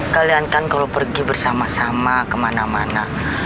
kalian kan kalau pergi bersama sama kemana mana